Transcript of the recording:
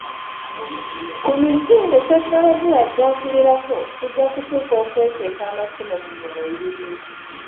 ku misinde tekinologiya gy'akulirako tujja kutuuka okweteeka amasimu mu mibiri.